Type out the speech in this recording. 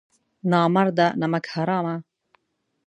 نامرده نمک حرامه!